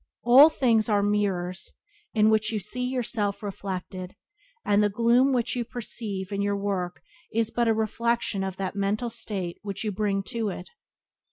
All things are mirrors in which you see yourself reflected, and the gloom which you perceive in your work is but a reflection of that mental state which you bring to it.